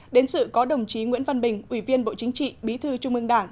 đến sự có đồng chí nguyễn văn bình ủy viên bộ chính trị bí thư trung ương đảng